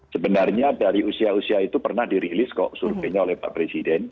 sebenarnya dari usia usia itu pernah dirilis kok surveinya oleh pak presiden